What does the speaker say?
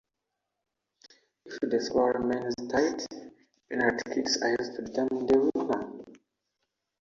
If the score remains tied, penalty kicks are used to determine the winner.